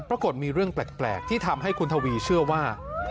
ปรากฏมีเรื่องแปลกที่ทำให้คุณทวีเชื่อว่า